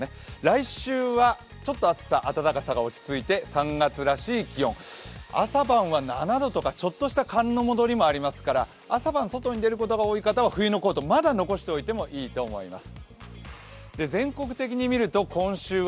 来週はちょっと暑さ、暖かさが落ち着いて、朝晩は７度とかちょっとした寒の戻りもありますから、朝晩外に出ることが多い方は冬のコート、まだ残しておいてもいいと思います。